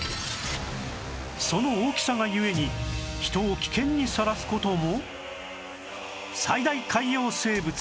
その大きさが故に人を危険にさらす事も